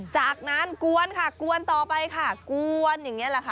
จากนั้นกวนค่ะกวนต่อไปค่ะกวนอย่างนี้แหละค่ะ